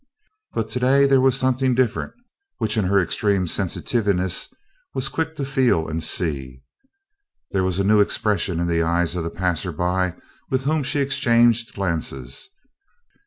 But to day there was a something different which, in her extreme sensitiveness, she was quick to see and feel. There was a new expression in the eyes of the passersby with whom she exchanged glances.